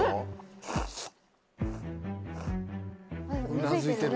うなずいてる。